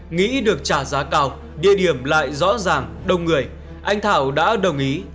nghĩ được trả giá cao địa điểm lại rõ ràng đông người anh thảo đã đồng ý